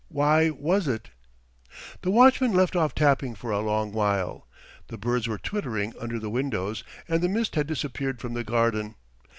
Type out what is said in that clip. Why was it? The watchman left off tapping for a long while. The birds were twittering under the windows and the mist had disappeared from the garden.